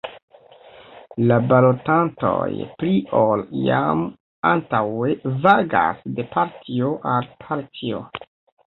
La balotantoj pli ol iam antaŭe vagas de partio al partio.